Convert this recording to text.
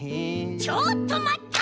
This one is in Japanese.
ちょっとまった！